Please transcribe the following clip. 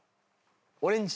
『オレンジ』。